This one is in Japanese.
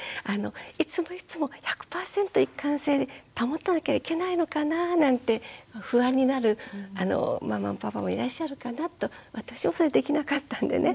いつもいつも１００％一貫性保たなきゃいけないのかななんて不安になるママもパパもいらっしゃるかなと私もそれできなかったんでね。